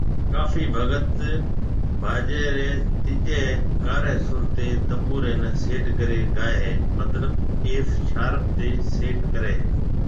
ڪافي ڀگت باجي ري تيجي ڪاري سُر تي تنبوري ني سيٽ ڪري گائي ھيَََ مطلب ايف شارپ تي سيٽ ڪري ھيَََ